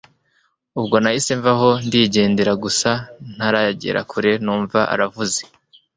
ubwo nahise mvaho ndigendera gusa ntaragera kure numva aravuze